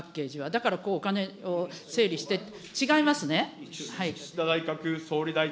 だからお金を整理してって、違いますね。